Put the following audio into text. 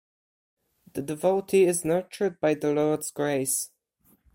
The devotee is nurtured by the Lord's grace.